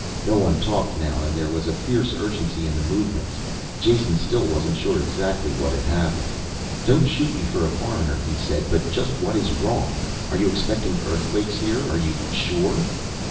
No one talked now and there was a fierce urgency in their movements. Jason still wasn't sure exactly what had happened. "Don't shoot me for a foreigner," he said, "but just what is wrong? Are you expecting earthquakes here, are you sure?"